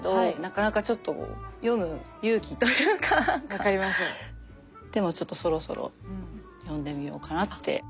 でもちょっとそろそろ読んでみようかなって。